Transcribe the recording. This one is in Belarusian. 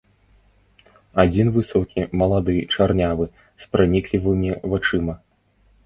Адзін высокі, малады, чарнявы, з праніклівымі вачыма.